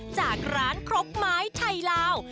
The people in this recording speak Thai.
จากร้านครกไม้ไทยลาว